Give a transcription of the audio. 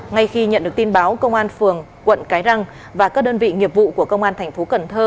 ngay khi nhận được tin báo công an phường quận cái răng và các đơn vị nghiệp vụ của công an thành phố cần thơ